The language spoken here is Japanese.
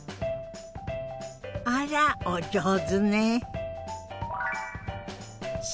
あらお上手ね。